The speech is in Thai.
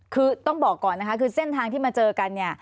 คือต้องบอกก่อนนะคะคือเส้นทางที่มาเจอกันเนี่ย